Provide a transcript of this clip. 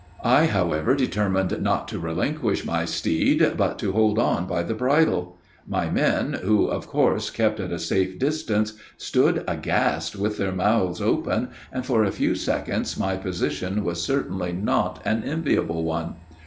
I, however, determined not to relinquish my steed, but to hold on by the bridle. My men, who, of course, kept at a safe distance, stood aghast with their mouths open, and for a few seconds my position was certainly not an enviable one.